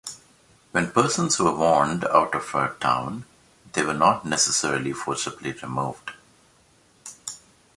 When persons were warned out of a town, they were not necessarily forcibly removed.